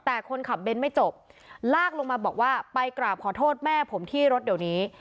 แต่คนขับเบนท์ไม่จบลากลงมาบอกว่าไปกราบขอโทษแม่ผมที่รถเดี๋ยวนี้